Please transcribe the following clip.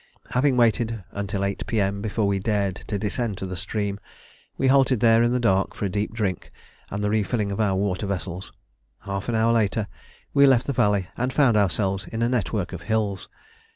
Having waited until 8 P.M. before we dared to descend to the stream, we halted there in the dark for a deep drink and the refilling of our water vessels. Half an hour later we left the valley and found ourselves in a network of hills.